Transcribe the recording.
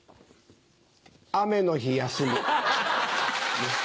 雨の日休みです。